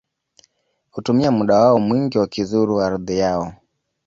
Hutumia muda wao mwingi wakizuru ardhi yao